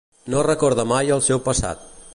No recorda mai el seu passat.